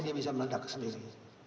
dia bisa meledak sendiri